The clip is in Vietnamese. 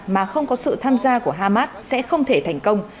mà không có sự tham gia của hamas sẽ không thể thành công